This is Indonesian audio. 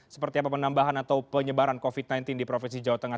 seperti apa penambahan atau penyebaran covid sembilan belas di provinsi jawa tengah